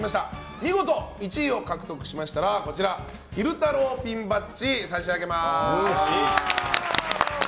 見事、１位を獲得しましたら昼太郎ピンバッジ差し上げます。